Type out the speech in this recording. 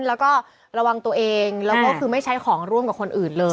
แล้วก็ระวังตัวเองแล้วก็คือไม่ใช้ของร่วมกับคนอื่นเลย